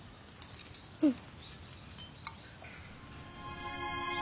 うん。